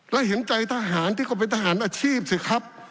และเห็นใจทหารที่ก็เป็นทหารอาชีพสิครับ